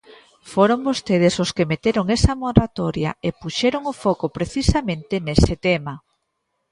Foron vostedes os que meteron esa moratoria e puxeron o foco precisamente nese tema.